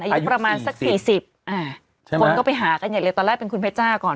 อันประมาณพี่สิบอ่ะใช่ไหมก็ไปหากันอีกเลยตอนแรกเป็นคุณพระจ้าก่อน